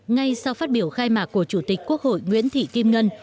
ngay sau phát biểu khai mạc của chủ tịch quốc hội nguyễn thị kim ngân